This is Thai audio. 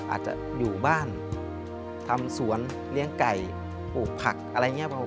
อาจจะอยู่บ้านทำสวนเลี้ยงไก่ปลูกผักอะไรอย่างนี้